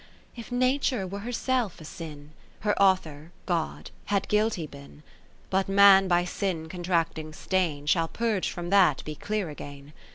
IX If Nature were herself a sin, Her Author (God) had guilty bin ; But Man by sin contracting stain. Shall, purg'd from that, be clear again.